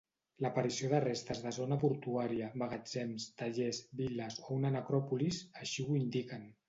L'aparició de restes de zona portuària, magatzems, tallers, vil·les o una necròpolis, així ho indiquen.